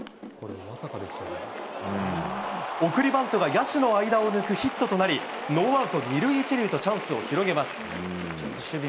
送りバントが野手の間を抜くヒットとなり、ノーアウト２塁１塁とチャンスを広げます。